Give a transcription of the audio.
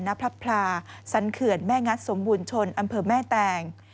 ณพลับพลาสันเขื่อนแม่งัดสมบูรณชนอำเภอแม่แตง